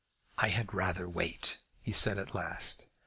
"I had rather wait," he said at last.